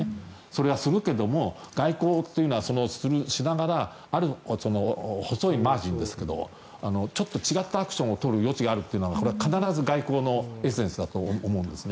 それはするけども外交というのは、それをしながらある細いマージンですけどちょっと違ったアクションを取る余地があるというのがこれが必ず外交のエッセンスだと思うんです。